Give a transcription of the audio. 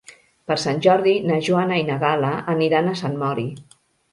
Per Sant Jordi na Joana i na Gal·la aniran a Sant Mori.